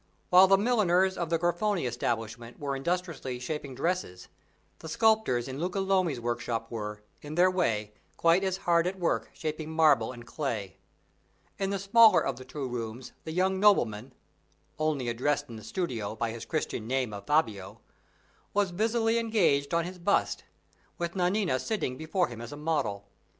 While the milliners of the Grifoni establishment were industriously shaping dresses, the sculptors in Luca Lomi's workshop were, in their way, quite as hard at work shaping marble and clay. In the smaller of the two rooms the young nobleman (only addressed in the studio by his Christian name of Fabio) was busily engaged on his bust, with Nanina sitting before him as a model.